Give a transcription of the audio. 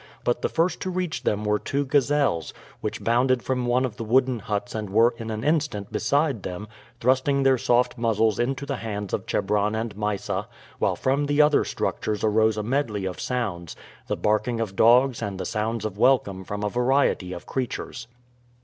But the first to reach them were two gazelles, which bounded from one of the wooden huts and were in an instant beside them, thrusting their soft muzzles into the hands of Chebron and Mysa, while from the other structures arose a medley of sounds the barking of dogs and the sounds of welcome from a variety of creatures.